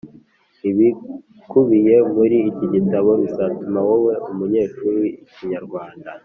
Ibikubiye muri iki gitabo, bizatuma wowe munyeshuri, Ikinyarwanda